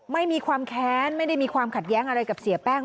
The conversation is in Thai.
ไม่มีความแค้นไม่ได้มีความขัดแย้งอะไรกับเสียแป้ง